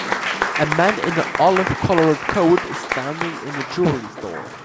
A man in an olive colored coat is standing in a jewelry store.